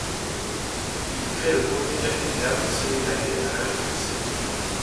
Il crée le premier café-théâtre sénégalais à l'âge de dix-sept ans.